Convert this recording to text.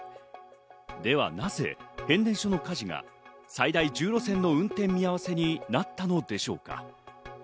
ではなぜ変電所の火事が最大１０路線の運転見合わせになったのでしょうか？